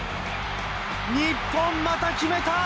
日本、また決めた。